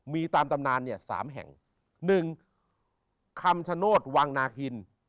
มีตามตำนานเนี่ย๓แห่ง๑คำชโนธวังนาคิน